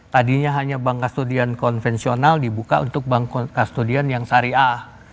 tadinya hanya bank kastudian konvensional dibuka untuk bank studian yang syariah